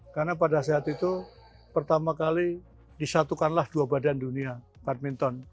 karena pada saat itu pertama kali disatukanlah dua badan dunia badminton